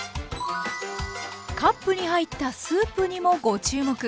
カップに入ったスープにもご注目。